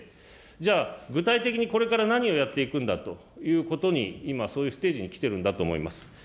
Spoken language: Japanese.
じゃあ、具体的にこれから何をやっていくんだということに、今、そういうステージにきているんだと思います。